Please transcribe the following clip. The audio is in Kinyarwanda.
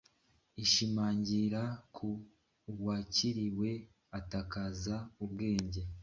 ishimangira ko uwakiriye atakaza ubwenge